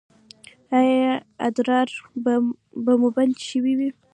ایا ادرار مو بند شوی دی؟